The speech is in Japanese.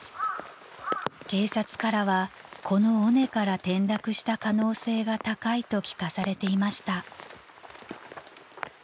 ［警察からはこの尾根から転落した可能性が高いと聞かされていました］